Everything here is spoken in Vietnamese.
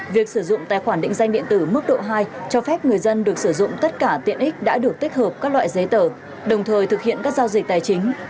việc sử dụng tài khoản định danh điện tử mức độ hai cho phép người dân được sử dụng tất cả tiện ích đã được tích hợp các loại giấy tờ đồng thời thực hiện các giao dịch tài chính